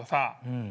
うん。